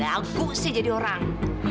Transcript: lagu sih jadi orang